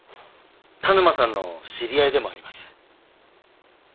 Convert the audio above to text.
田沼さんの知り合いでもあります。